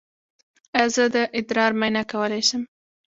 ایا زه د ادرار معاینه کولی شم؟